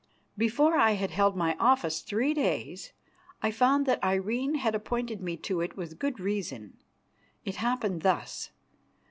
Before I had held my office three days I found that Irene had appointed me to it with good reason. It happened thus.